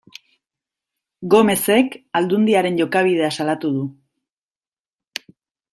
Gomezek Aldundiaren jokabidea salatu du.